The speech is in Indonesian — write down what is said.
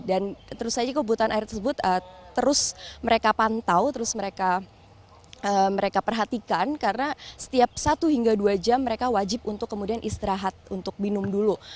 dan terus saja kebutuhan air tersebut terus mereka pantau terus mereka perhatikan karena setiap satu hingga dua jam mereka wajib untuk kemudian istirahat untuk minum dulu